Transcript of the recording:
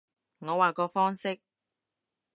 我話個方式